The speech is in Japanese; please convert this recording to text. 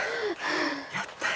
やったよ。